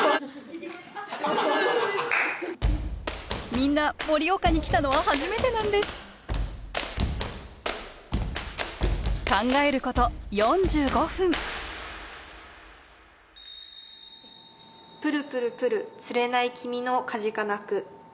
みんな盛岡に来たのは初めてなんです考えること４５分「ぷるぷるぷるつれない君の河鹿鳴く」。